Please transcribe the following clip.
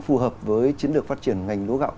phù hợp với chiến lược phát triển ngành lúa gạo